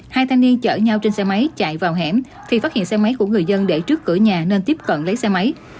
hai thanh niên chở nhau trên xe máy chạy vào hẻm thì phát hiện xe máy của người dân để trước cửa nhà nên tiếp cận lấy xe máy